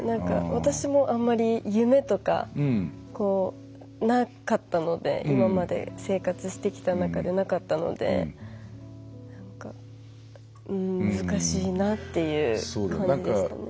私もあんまり夢とかなかったので今まで生活してきた中でなかったので難しいなっていう感じでしたね。